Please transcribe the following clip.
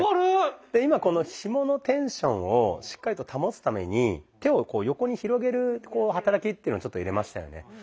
で今このひものテンションをしっかりと保つために手をこう横に広げる働きっていうのをちょっと入れましたよね。